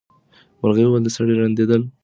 مرغۍ وویل چې د سړي ړندېدل زما سترګه نه جوړوي.